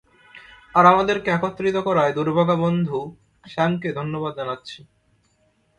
আর আমাদেরকে একত্রিত করায় দুর্ভাগা বন্ধু স্যামকে ধন্যবাদ জানাচ্ছি।